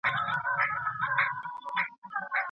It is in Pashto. موږ بايد د بې ځايه پيغورونو پروا ونکړو.